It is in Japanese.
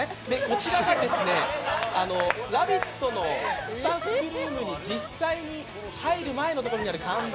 こちらが「ラヴィット！」のスタッフルームの実際に入る前のところにある看板。